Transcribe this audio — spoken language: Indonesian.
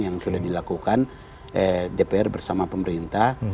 yang sudah dilakukan dpr bersama pemerintah